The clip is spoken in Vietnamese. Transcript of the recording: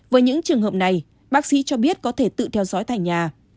với những trường hợp này bác sĩ cho biết có thể tự theo dõi tại nhà